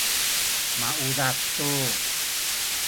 maudad tu